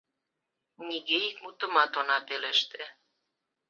Нигӧ ик мутымат она пелеште.